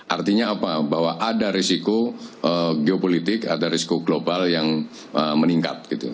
artinya apa bahwa ada risiko geopolitik atau risiko global yang meningkat